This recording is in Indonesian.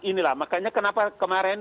inilah makanya kenapa kemarin